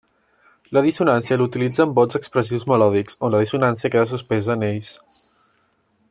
La dissonància l'utilitza en bots expressius melòdics, on la dissonància queda suspesa en ells.